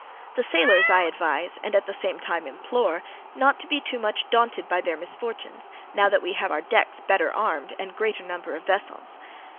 The sailors I advise, and at the same time implore, not to be too much daunted by their misfortunes, now that we have our decks better armed and greater number of vessels.